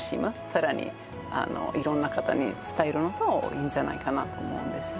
さらに色んな方に伝えるのもいいんじゃないかなと思うんです